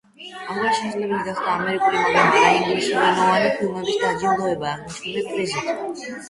ამგვარად შესაძლებელი გახდა ამერიკული, მაგრამ არაინგლისურენოვანი ფილმების დაჯილდოება აღნიშნული პრიზით.